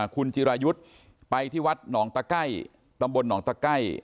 คุณจิรายุทธ์ไปที่วัดหนองตะไก้ตำบลหนองตะไก้